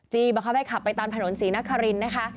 จี้บังคับให้ขับไปตามแผนวนศรีนครินต์นะคะ